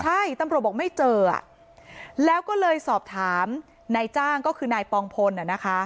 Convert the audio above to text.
ใช่ตำรวจบอกไม่เจอแล้วก็เลยสอบถามนายจ้างก็คือนายปองพล